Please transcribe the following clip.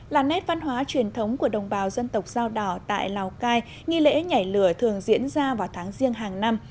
là nét văn hóa truyền thống của đồng bào dân tộc dao đỏ tại lào cai nghi lễ nhảy lửa thường diễn ra vào tháng riêng hàng năm